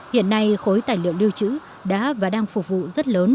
hiện nay khối tài liệu lưu trữ đã và đang phục vụ rất lớn